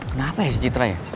kenapa sih citra ya